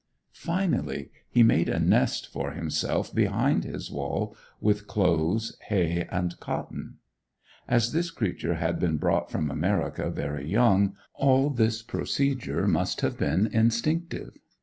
Finally, he made a nest for himself behind his wall with clothes, hay, and cotton. As this creature had been brought from America very young, all this procedure must have been instinctive.